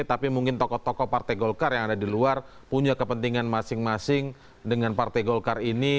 tapi mungkin tokoh tokoh partai golkar yang ada di luar punya kepentingan masing masing dengan partai golkar ini